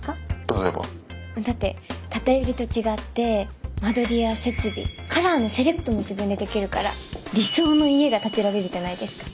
例えば？だって建て売りと違って間取りや設備カラーのセレクトも自分でできるから理想の家が建てられるじゃないですか！